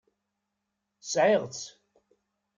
Sɛiɣ-tt.